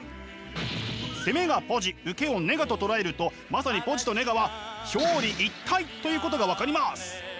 攻めがポジ受けをネガと捉えるとまさにポジとネガは表裏一体ということが分かります！